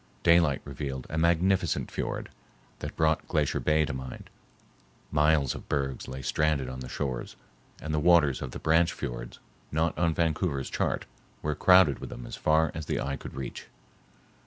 Daylight revealed a magnificent fiord that brought Glacier Bay to mind. Miles of bergs lay stranded on the shores, and the waters of the branch fiords, not on Vancouver's chart, were crowded with them as far as the eye could reach.